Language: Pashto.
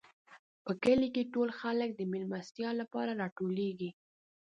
په کلي کې ټول خلک د مېلمستیا لپاره راټولېږي.